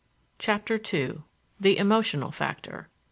CHAPTER II THE EMOTIONAL FACTOR.